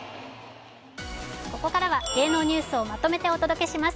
ここからは芸能ニュースをまとめてお届けします